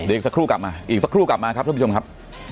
อีกสักครู่กลับมาอีกสักครู่กลับมาครับท่านผู้ชมครับ